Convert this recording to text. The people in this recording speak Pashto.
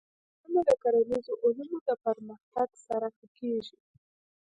کرنه د کرنیزو علومو د پرمختګ سره ښه کېږي.